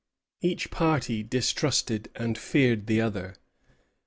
Each party distrusted and feared the other.